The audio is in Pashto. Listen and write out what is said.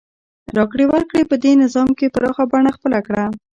راکړې ورکړې په دې نظام کې پراخه بڼه خپله کړه.